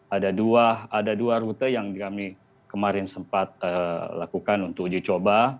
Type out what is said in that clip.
ada dua rute yang kami kemarin sempat lakukan untuk uji coba